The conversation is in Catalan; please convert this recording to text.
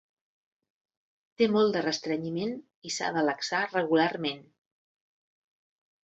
Té molt de restrenyiment i s'ha de laxar regularment.